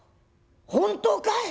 「本当かい？